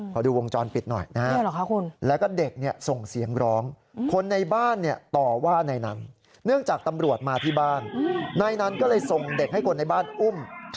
ก็เลยส่งเด็กให้คนในบ้านอุ้ม